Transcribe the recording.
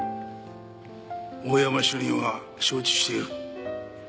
大山主任は承知している。